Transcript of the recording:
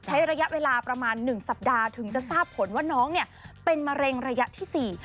ใช้ระยะเวลาประมาณ๑สัปดาห์ถึงจะทราบผลว่าน้องเนี่ยเป็นมะเร็งระยะที่๔